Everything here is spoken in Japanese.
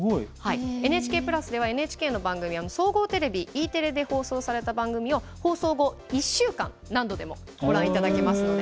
ＮＨＫプラスではＮＨＫの番組総合テレビＥテレで放送された番組を放送後１週間何度でもご覧いただけますので。